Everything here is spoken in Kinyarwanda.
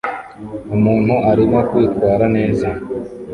Umuntu arimo kwitwara neza